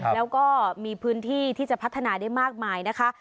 แล้วก็มีพื้นที่ที่จะพัฒนาได้มากมายนะคะ